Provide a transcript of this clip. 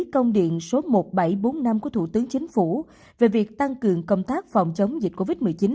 công điện số một nghìn bảy trăm bốn mươi năm của thủ tướng chính phủ về việc tăng cường công tác phòng chống dịch covid một mươi chín